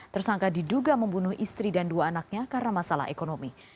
tersangka diduga membunuh istri dan dua anaknya karena masalah ekonomi